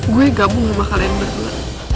gue gabung sama kalian berdua